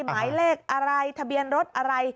หมายเลขอะไรทะเบียนรถอะไร